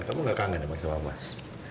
kamu enggak kangen emang sama mas